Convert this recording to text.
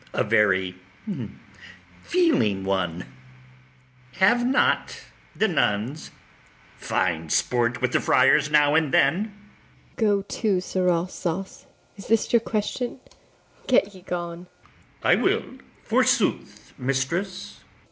A very feeling one: have not the nuns fine sport with the friars now and then? ABIGAIL. Go to, Sirrah Sauce! is this your question? get ye gone. ITHAMORE. I will, forsooth, mistress.